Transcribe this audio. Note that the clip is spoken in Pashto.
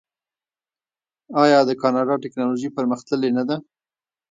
آیا د کاناډا ټیکنالوژي پرمختللې نه ده؟